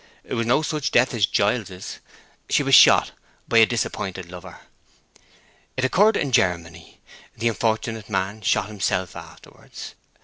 It was no such death as Giles's. She was shot—by a disappointed lover. It occurred in Germany. The unfortunate man shot himself afterwards.